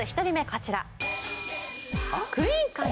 こちら